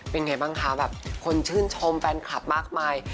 เป็นไงบ้างคะแบบคนชื่นชมแฟนคลับมากมาย